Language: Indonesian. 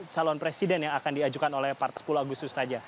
calon presiden yang akan diajukan oleh partai sepuluh agustus saja